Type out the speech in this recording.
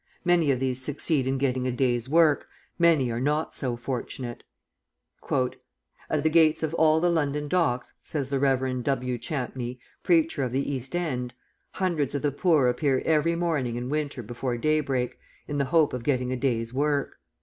Many of these succeed in getting a day's work, many are not so fortunate. "At the gates of all the London docks," says the Rev. W. Champney, preacher of the East End, "hundreds of the poor appear every morning in winter before daybreak, in the hope of getting a day's work.